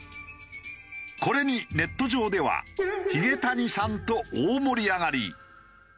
これにネット上では「ひげ谷さん」と大盛り上がり。